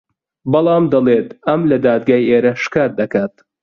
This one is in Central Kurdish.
بەڵام دەڵێت ئەم لە دادگای ئێرە شکات دەکات